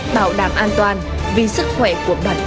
bảo đảm an toàn vì sức khỏe của bản thân gia đình